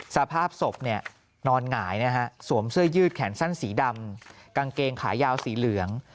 สภาพศพนอนหงายนะฮะสวมเสื้อยืดแขนสั้นสีดำกางเกงขายาวสีเหลือง